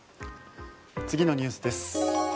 次のニュースです。